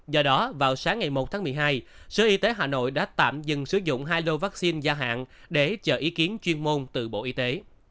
do đó vào sáng ngày một tháng một mươi hai sở y tế hà nội đã tạm dừng sử dụng hai lô vaccine gia hạn để chờ ý kiến chuyên môn từ bộ y tế